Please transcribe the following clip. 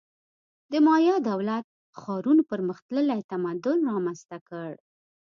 د مایا دولت-ښارونو پرمختللی تمدن رامنځته کړ.